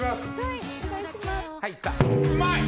うまい！